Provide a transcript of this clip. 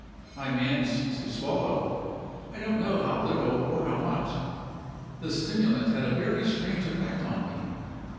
I managed to swallow I don't know how little, or how much. The stimulant had a very strange effect on me.